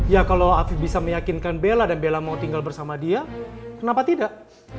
ya kalau afif bisa meyakinkan bella dan bella mau tinggal bersama dia kenapa tidak